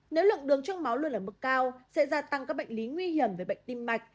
nếu lượng đường trong máu luôn ở mức cao sẽ gia tăng các bệnh lý nguy hiểm về bệnh tim mạch